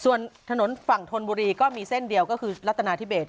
ส่วนถนนฝั่งธนบุรีก็มีเส้นเดียวก็คือรัฐนาธิเบส